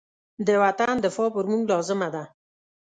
د وطن دفاع پر موږ لازمه ده.